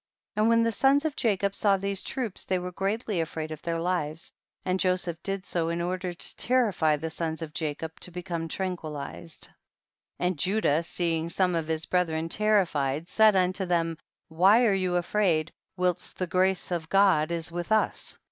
41. And when the sons of Jacob saw these troops they were greatly afraid of their lives, and Joseph did so in order to terrify the sons of Ja cob to become tranquiUzed. THE BOOK OF JASHER. 173 42. And Judah, seeing some of his brethren terrified, said unto lliem, why are you afraid whilst the grace of God is with us